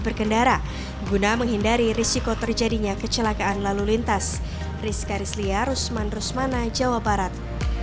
berkendara guna menghindari risiko terjadinya kecelakaan lalu lintas rizka rizlia rusman rusmana jawa barat